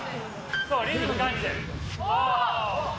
そう、リズム感じてる。